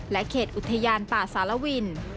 เขตอุทยานป่าสารวิน